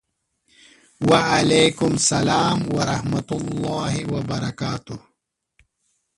وعلیکم سلام ورحمة الله وبرکاته